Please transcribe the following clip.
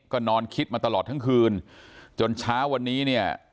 ก็นอนคิดมาตลอดทั้งคืนจนเช้าวันนี้เนี่ย